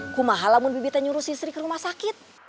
ku mahala mun bibitnya nyuruh sri ke rumah sakit